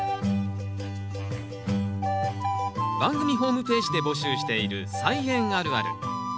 番組ホームページで募集している「菜園あるある」。